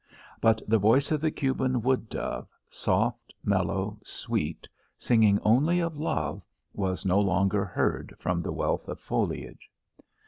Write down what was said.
But the voice of the Cuban wood dove, soft, mellow, sweet, singing only of love, was no longer heard from the wealth of foliage.